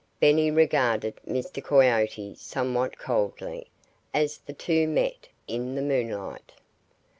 Benny regarded Mr. Coyote somewhat coldly, as the two met in the moonlight.